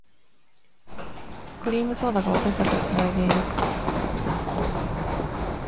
クリームソーダが、私たちを繋いでいる。